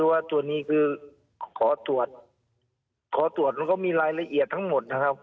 ว่าตัวนี้คือขอตรวจขอตรวจมันก็มีรายละเอียดทั้งหมดนะครับ